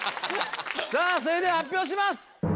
さぁそれでは発表します！